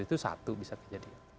itu satu bisa terjadi